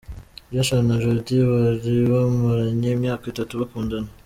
Jason na Jordin bari bamaranye imyaka itatu bakundana.